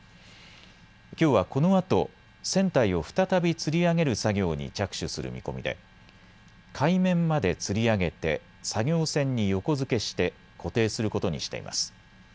きょうは、このあと船体を再びつり上げる作業に着手する見込みで、海面までつり上げて作業船に横付けして固定することにしています。